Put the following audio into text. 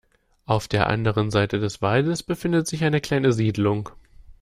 Auf der anderen Seite des Waldes befindet sich eine kleine Siedlung.